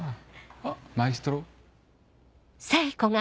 あっマエストロ。